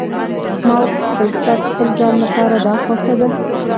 ما وپوښتل: ستا د خپل ځان لپاره دا خوښه ده.